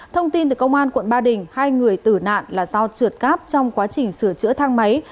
thông tin từ công an quận ba đình hai người tử nạn là do trượt cáp trong quá trình sửa chữa thang máy